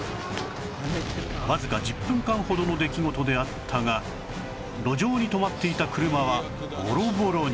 わずか１０分間ほどの出来事であったが路上に止まっていた車はボロボロに